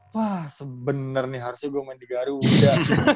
wah bener nih harusnya gue main di garuda